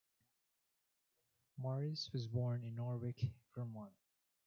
Morris was born in Norwich, Vermont.